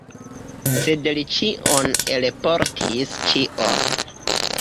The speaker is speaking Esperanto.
Sed li ĉion elportis, ĉion!